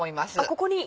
ここに？